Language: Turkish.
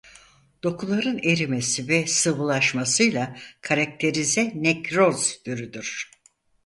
Dokuların erimesi ve sıvılaşmasıyla karakterize nekroz türüdür.